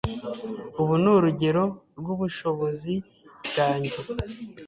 Ubu ni urugero rwubushobozi bwanjye.